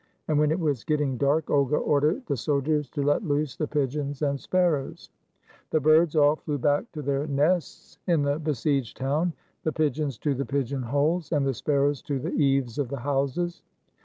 And when it was getting dark Olga ordered the soldiers to let loose the pigeons and sparrows. The birds all flew back to their nests in the besieged town, the 26 THE VENGEANCE OF QUEEN OLGA pigeons to the pigeon holes, and the sparrows to the eaves of the houses.